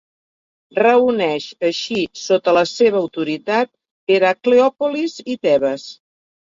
Reuneix així sota la seva autoritat Heracleòpolis i Tebes.